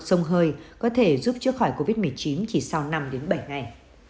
sông hơi có thể giúp chữa khỏi covid một mươi chín chỉ sau năm đến bảy ngày